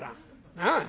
なあ。